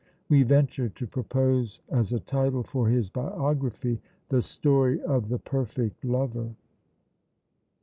We venture to propose as a title for his biography, 'The Story of the Perfect Lover.'"